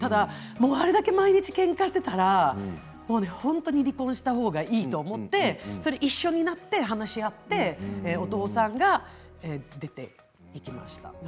あれだけ毎日けんかしていたら本当に離婚した方がいいと思って一緒になって話し合ってお父さんが出ていきました。